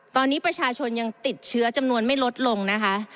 ตอนนี้ประชาชนยังติดเชื้อจำนวนไม่ลดลงนะคะ